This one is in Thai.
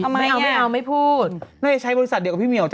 ไม่เอาไม่พูด